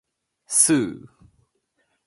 スー